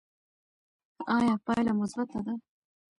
ایا پایله مثبته ده؟